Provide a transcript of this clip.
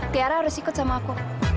tiara harus ikut sama aku